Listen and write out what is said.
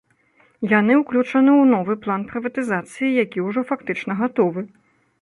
Яны ўключаны у новы план прыватызацыі, які ўжо фактычна гатовы.